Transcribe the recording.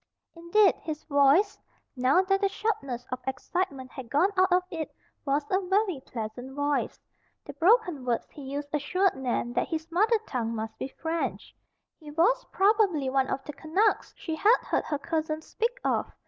Indeed his voice, now that the sharpness of excitement had gone out of it, was a very pleasant voice. The broken words he used assured Nan that his mother tongue must be French. He was probably one of the "Canucks" she had heard her cousins speak of.